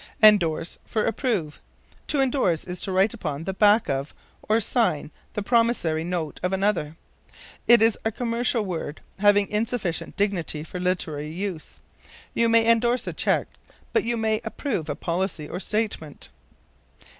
Endorse for Approve. To endorse is to write upon the back of, or to sign the promissory note of another. It is a commercial word, having insufficient dignity for literary use. You may endorse a check, but you approve a policy, or statement.